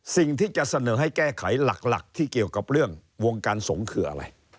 สิ่งที่จะเสนอให้แก้ไขหลักที่เกี่ยวกับเรื่องวงการสงฆ์คืออะไร